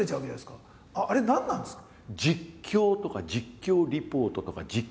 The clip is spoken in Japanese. あれ何なんですか？